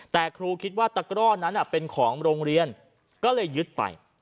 แต่ครูคิดว่าตะกร่อนั้นเป็นของโรงเรียนก็เลยยึดไป